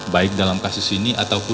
baik dalam kasus ini